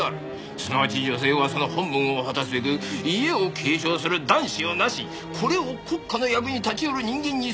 「すなわち女性はその本分を果たすべく家を継承する男子を成しこれを国家の役に立ちうる人間に育て上げること」